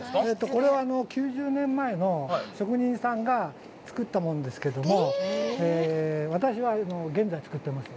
これは、９０年前の職人さんが作ったものですけども、私は現在作ってます。